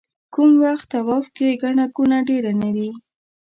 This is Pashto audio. کوم وخت طواف کې ګڼه ګوڼه ډېره نه وي.